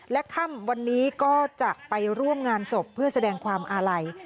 และค่ำวันนี้ก็จะไปร่วมงานศพเพื่อแสดงความอาลัย